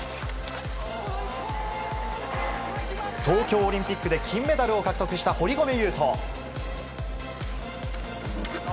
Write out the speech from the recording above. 東京オリンピックで金メダルを獲得した堀米雄斗。